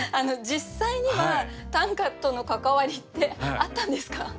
実際には短歌との関わりってあったんですか？